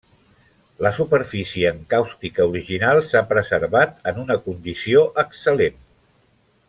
La superfície encàustica original s'ha preservat en una condició excel·lent.